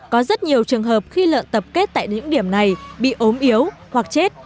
có rất nhiều trường hợp khi lợn tập kết tại những điểm này bị ốm yếu hoặc chết